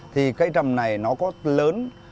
thì cây trầm này nó có lớn